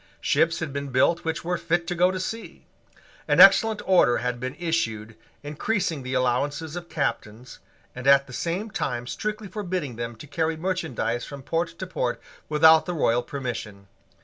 Ships had been built which were fit to go to sea. An excellent order had been issued increasing the allowances of Captains, and at the same time strictly forbidding them to carry merchandise from port to port without the royal permission.